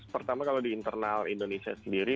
pertama kalau di internal indonesia sendiri